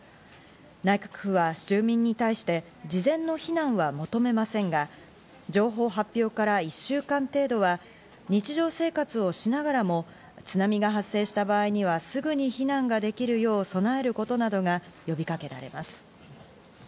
内閣府は住民に対して事前の避難は求めませんが、情報発表から１週間程度は日常生活をしながらも、津波が発生した場合にはすぐに避難できるよう備えることが呼びかけられます。